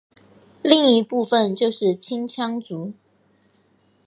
另一部分就是青羌族。